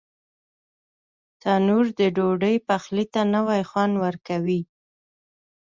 تنور د ډوډۍ پخلي ته نوی خوند ورکوي